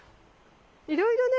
いろいろね